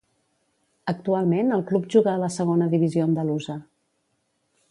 Actualment el club juga a la Segona Divisió Andalusa.